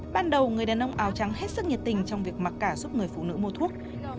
ban đầu người đàn ông áo trắng hết sức nhiệt tình trong việc mặc cả giúp người phụ nữ mua thuốc